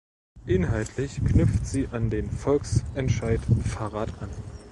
Inhaltlich knüpft sie an den Volksentscheid Fahrrad an.